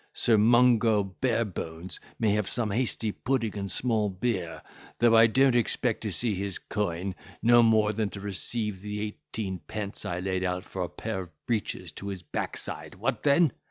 Sir Mungo Barebones may have some hasty pudding and small beer, though I don't expect to see his coin, no more than to receive the eighteen pence I laid out for a pair of breeches to his backside—what then?